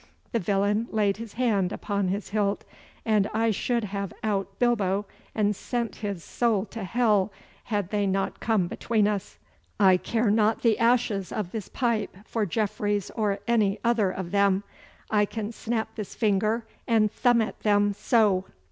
The villain laid his hand upon his hilt, and I should have out bilbo and sent his soul to hell had they not come between us. I care not the ashes of this pipe for Jeffreys or any other of them. I can snap this finger and thumb at them, so!